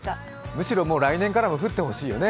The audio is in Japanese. むしろ来年からも降ってほしいよね。